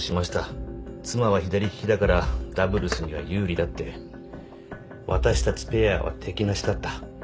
妻は左利きだからダブルスには有利だって私たちペアは敵なしだった。